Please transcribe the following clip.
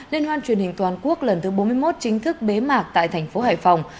liên hoan truyền hình toàn quốc lần thứ bốn mươi một chính thức bế mạc tại thành phố hải phòng